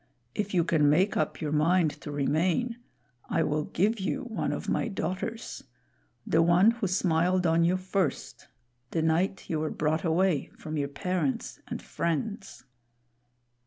If you can make up your mind to remain, I will give you one of my daughters the one who smiled on you first the night you were brought away from your parents and friends."